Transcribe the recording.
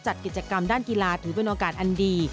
จัดกิจกรรมด้านกีฬาถือเป็นโอกาสอันดี